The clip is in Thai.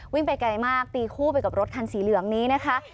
ไปไกลมากตีคู่ไปกับรถคันสีเหลืองนี้นะคะ